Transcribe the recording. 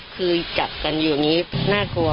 คือจับกันอยู่อย่างนี้น่ากลัว